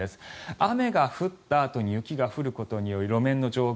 雨が降ったあとに雪が降ることによる路面の状況